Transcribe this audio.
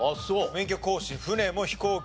免許更新船も飛行機も。